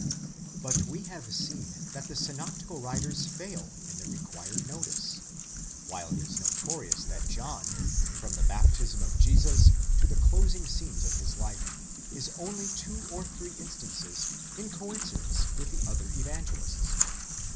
But we have seen that the synoptical writers fail in the required notice; while it is notorious that John, from the baptism of Jesus to the closing scenes of his life, is only in two or three instances in coincidence with the other Evangelists.